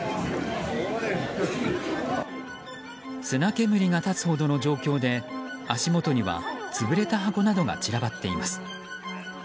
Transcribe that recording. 砂煙が立つほどの状況で足元には潰れた箱などが散らばっています。